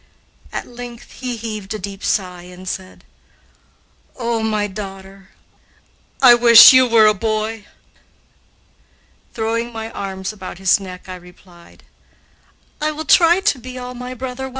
At length he heaved a deep sigh and said: "Oh, my daughter, I wish you were a boy!" Throwing my arms about his neck, I replied: "I will try to be all my brother was."